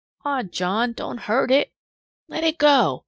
"Aw John don't hurt it!" "Let it go!"